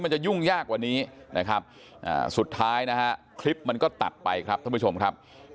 จะยุ่งยากกว่านี้นะครับสุดท้ายนะฮะคลิปมันก็ตัดไปครับท่านผู้ชมครับ